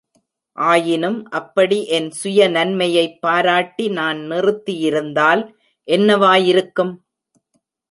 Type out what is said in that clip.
ஆயினும் அப்படி என் சுய நன்மையைப் பாராட்டி நான் நிறுத்தியிருந்தால் என்னவாயிருக்கும்?